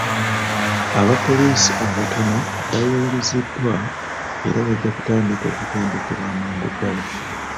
Abapoliisi abatono baayingiziddwa era bajja kutandika okutendekebwa amangu ddaala.